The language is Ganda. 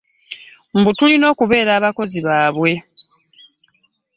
Mbu tulina kubeera bakozi babwe.